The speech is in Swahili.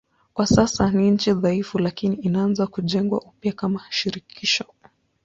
Kwa sasa ni nchi dhaifu lakini inaanza kujengwa upya kama shirikisho.